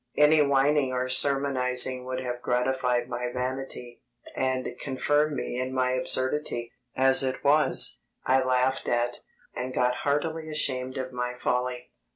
Any whining or sermonizing would have gratified my vanity, and confirmed me in my absurdity; as it was, I laughed at, and got heartily ashamed of my folly.